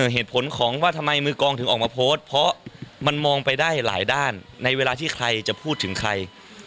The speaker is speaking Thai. เหตุผลของว่าทำไมมือกองถึงออกมาโพสต์เพราะมันมองไปได้หลายด้านในเวลาที่ใครจะพูดถึงใคร